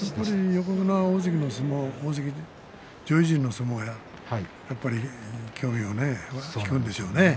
横綱大関上位陣の相撲がやっぱり興味を引くんでしょうね。